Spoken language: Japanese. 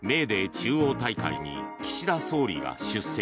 中央大会に岸田総理が出席。